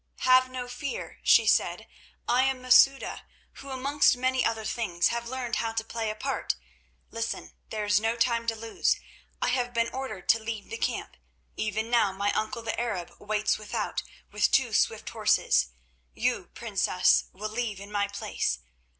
"'Have no fear,' she said; 'I am Masouda, who, amongst many other things, have learned how to play a part. Listen; there is no time to lose. I have been ordered to leave the camp; even now my uncle the Arab waits without, with two swift horses. You, Princess, will leave in my place.